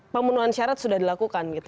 pemenuhan syarat sudah dilakukan